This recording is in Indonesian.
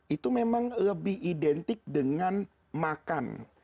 itu memang lebih identik dengan makan